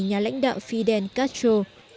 nhà lãnh đạo fidel castro